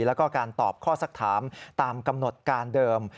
แล้วก็การตอบข้อสักถามตามกำหนดการเดิม